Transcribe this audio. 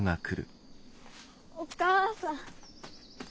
お母さん。